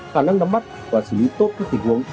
khả năng đắm mắt và xử lý tốt các tình huống